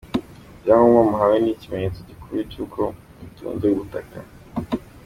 Ibyangombwa muhawe ni ikimenyetso gikuru cy’uko mutunze ubutaka.